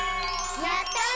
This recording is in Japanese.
やったね！